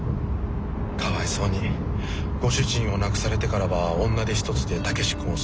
かわいそうにご主人を亡くされてからは女手一つで武志君を育てて。